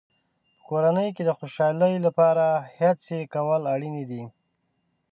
په کورنۍ کې د خوشحالۍ لپاره هڅې کول اړینې دي.